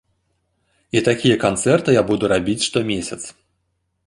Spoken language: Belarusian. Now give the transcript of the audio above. І такія канцэрты я буду рабіць штомесяц.